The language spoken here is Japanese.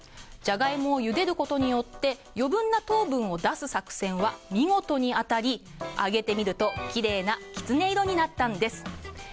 ジャガイモをゆでることによって余分な糖分を出す作戦は見事に当たり、揚げてみるときれいなきつね色になったんです。